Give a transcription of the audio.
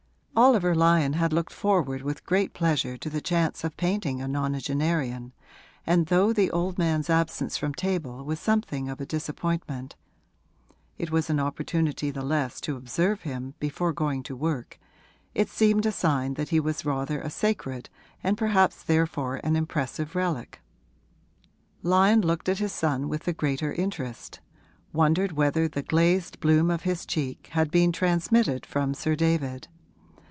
Oliver Lyon had looked forward with great pleasure to the chance of painting a nonagenarian, and though the old man's absence from table was something of a disappointment (it was an opportunity the less to observe him before going to work), it seemed a sign that he was rather a sacred and perhaps therefore an impressive relic. Lyon looked at his son with the greater interest wondered whether the glazed bloom of his cheek had been transmitted from Sir David.